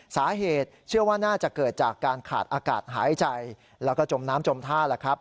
สาเหตุเชื่อว่าน่าจะเกิดจากการขาดอากาศหายใจแล้วก็จมน้ำจมท่าแล้วครับ